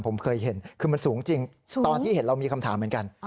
ผมเคยเห็นคือมันสูงจริงตอนที่เห็นเรามีคำถามเหมือนกัน